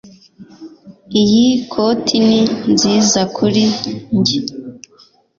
Iyi koti ni nziza kuri njye